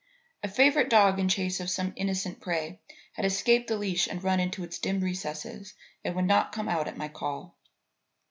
A favourite dog in chase of some innocent prey had escaped the leash and run into its dim recesses and would not come out at my call.